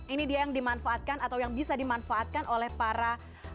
ini dia yang dimanfaatkan atau yang bisa dimanfaatkan oleh para